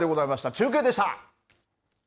中継でした。